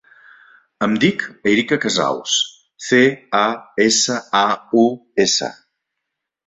Em dic Erika Casaus: ce, a, essa, a, u, essa.